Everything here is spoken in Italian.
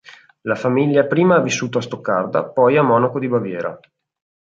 La famiglia prima ha vissuto a Stoccarda, poi a Monaco di Baviera.